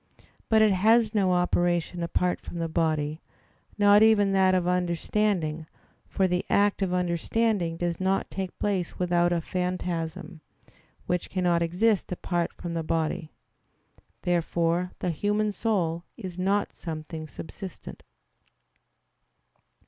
But it has no operation apart from the body, not even that of understanding: for the act of understanding does not take place without a phantasm, which cannot exist apart from the body. Therefore the human soul is not something subsistent.